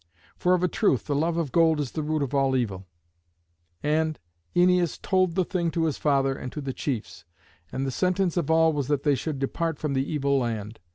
For of a truth the love of gold is the root of all evil. And Æneas told the thing to his father and to the chiefs; and the sentence of all was that they should depart from the evil land.